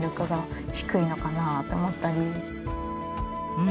うん！